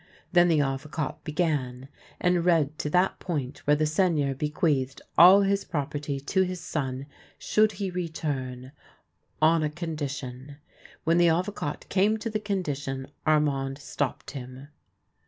Then the Avocat began, and read to that point where the Seigneur bequeathed all his property to his son, should he return — on a condition. When the Avocat came to the condition Armand stopped him.